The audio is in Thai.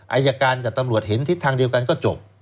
อายการกับตำรวจเห็นทิศทางเดียวกันก็จบ